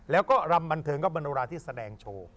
แล้วก็รำบันเทิงก็เป็นโนราที่แสดงโชว์